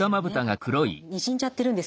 にじんじゃってるんですよね。